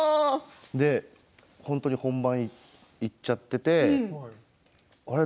本当に本番いっちゃっていてあれ？